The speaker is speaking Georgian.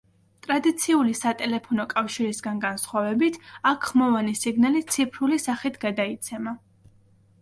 ტრადიციული სატელეფონო კავშირისგან განსხვავებით, აქ ხმოვანი სიგნალი ციფრული სახით გადაიცემა.